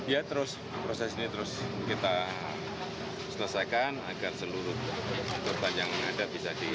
ya terus proses ini terus kita selesaikan agar seluruh korban yang ada bisa di